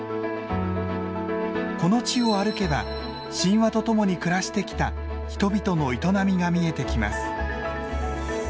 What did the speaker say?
この地を歩けば神話と共に暮らしてきた人々の営みが見えてきます。